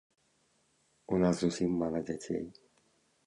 У нас зусім мала дзяцей.